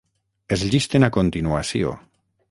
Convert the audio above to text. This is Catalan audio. Es llisten a continuació.